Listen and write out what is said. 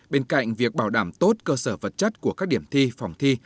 bên cạnh việc bảo đảm tốt cơ sở vật chất của các điểm thi phòng thi